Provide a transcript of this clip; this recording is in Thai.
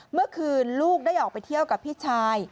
เมื่อคืนลูกได้ออกไปเที่ยวกับพี่ชาย